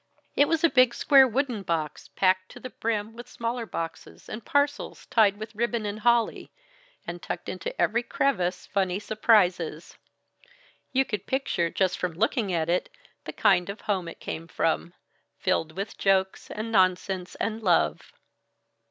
It was a big square wooden box, packed to the brim with smaller boxes and parcels tied with ribbon and holly, and tucked into every crevice funny surprises. You could picture, just from looking at it, the kind of home that it came from, filled with jokes and nonsense and love.